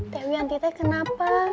teh wianti teh kenapa